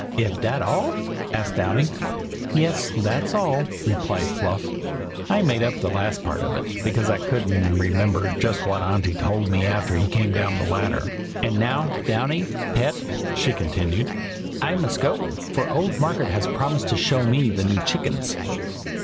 "Iv dat all?" asked Downy. "Yes, that's all," replied Fluff. "I made up the last part of it, because I couldn't remember just what Auntie told me after he came down the ladder. And now, Downy, pet," she continued, "I must go, for old Margaret has promised to show me the new chickens.